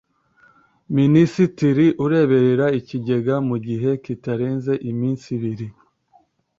minisitiri ureberera ikigega mu gihe kitarenze iminsi ibiri